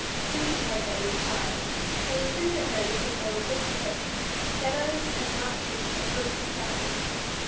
Susy had daily trials. They were sent to her because they were good for her. Shadows and night dews are good for flowers.